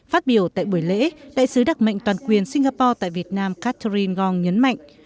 phát biểu tại buổi lễ đại sứ đặc mệnh toàn quyền singapore tại việt nam catherine ngong nhấn mạnh